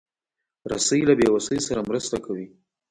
رسۍ له بېوسۍ سره مرسته کوي.